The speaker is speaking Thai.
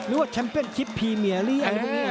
นึกว่าแชมเป็นชิปพีเมียหรืออย่างนี้